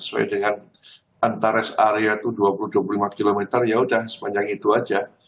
sesuai dengan antares area itu dua puluh dua puluh lima km yaudah sepanjang itu aja